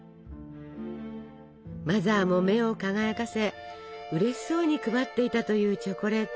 マザーも目を輝かせうれしそうに配っていたというチョコレート。